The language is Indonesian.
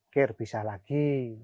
ker bisa lagi